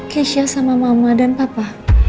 keisha sama mama dan papa